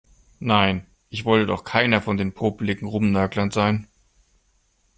Nein, ich wollte doch keiner von den popeligen Rumnörglern sein.